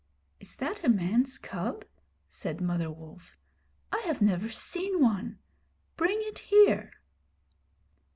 'Is that a man's cub?' said Mother Wolf. 'I have never seen one. Bring it here.'